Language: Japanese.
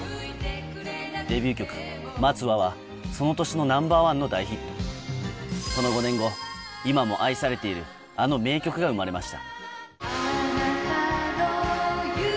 デビュー曲、待つわはその年のナンバー１の大ヒット、その５年後、今も愛されている、あの名曲が生まれました。